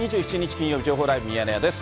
金曜日、情報ライブミヤネ屋です。